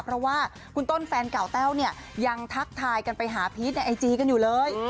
เพราะว่าคุณต้นแฟนเก่าแต้วเนี่ยยังทักทายกันไปหาพีชในไอจีกันอยู่เลย